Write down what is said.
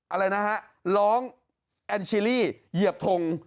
อะไรนะฮะร้องแอนชิลี่เหยียบทง